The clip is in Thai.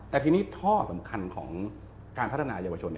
แต่ทีนี้ท่อสำคัญของการพัฒนายาวชน